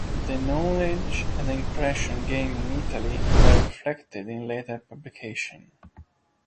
The knowledge and impressions gained in Italy were reflected in later publications.